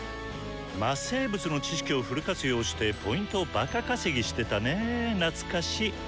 魔生物の知識をフル活用してＰをバカ稼ぎしてたねなつかし！